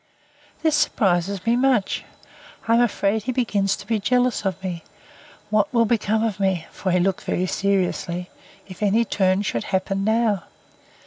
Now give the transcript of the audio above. This surprises me much. I am afraid he begins to be jealous of me. What will become of me, (for he looked very seriously,) if any turn should happen now!